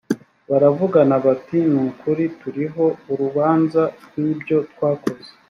baravugana bati ni ukuri turiho urubanza rw ibyo twakoze